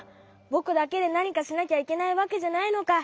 ぼくだけでなにかしなきゃいけないわけじゃないのか。